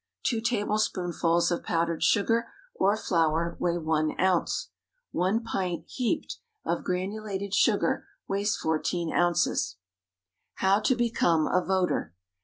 Two tablespoonfuls of powdered sugar or flour weigh one ounce. One pint (heaped) of granulated sugar weighs fourteen ounces. =How to Become a Voter.